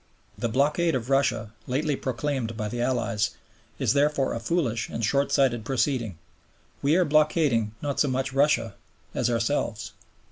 The blockade of Russia, lately proclaimed by the Allies, is therefore a foolish and short sighted proceeding; we are blockading not so much Russia as ourselves.